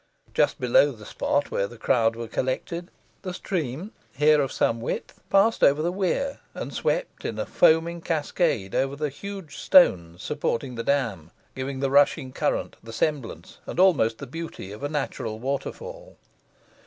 Just below the spot where the crowd were collected, the stream, here of some width, passed over the weir, and swept in a foaming cascade over the huge stones supporting the dam, giving the rushing current the semblance and almost the beauty of a natural waterfall.